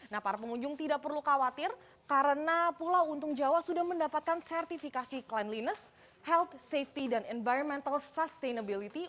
nah para pengunjung tidak perlu khawatir karena pulau untung jawa sudah mendapatkan sertifikasi cleanliness health safety dan environmental sustainability